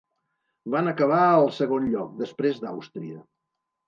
Van acabar al segon lloc, després d'Àustria.